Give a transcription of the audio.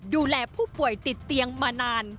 ดูแลผู้ป่วยติดเตียงมานาน